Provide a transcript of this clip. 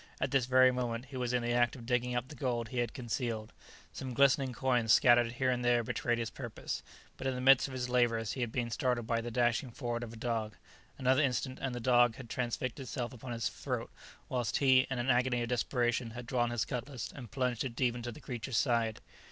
At this very moment he was in the act of digging up the gold he had concealed; some glistening coins scattered here and there betrayed his purpose; but in the midst of his labours he had been startled by the dashing forward of a dog; another instant, and the dog had fixed itself upon his throat, whilst he, in an agony of desperation, had drawn his cutlass and plunged it deep into the creature's side.